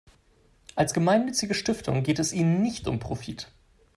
Als gemeinnützige Stiftung geht es ihnen nicht um Profit.